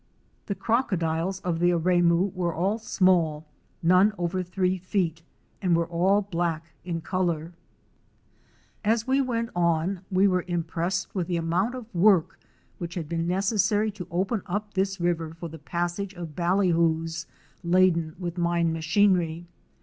The crocodiles of the Aremu were all small, none over three feet, and were all black in color. 272 OUR SEARCH FOR A WILDERNESS. As we went on we were impressed with the amount of work which had been necessary to open up this river for the pass age of ballyhoos laden with mine machinery.